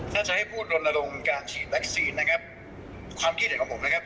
ถ้าจะให้พูดรณรงค์การฉีดวัคซีนนะครับความคิดเห็นของผมนะครับ